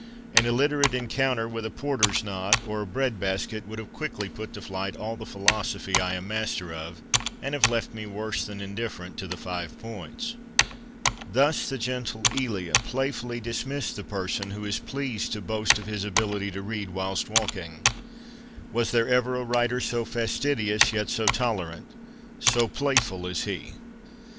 An illiterate encounter with a porter's knot, or a bread basket, would have quickly put to flight all the philosophy I am master of, and have left me worse than indifferent to the five points.' Thus the gentle Elia playfully dismissed the person who is pleased to boast of his ability to read whilst walking. Was there ever a writer so fasti dious, yet so tolerant, so playful as he ?